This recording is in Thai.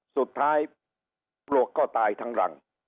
สุดท้ายปลวกก็ตายทั้งรัง